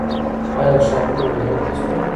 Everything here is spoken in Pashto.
آیا ښارونه ویران نه شول؟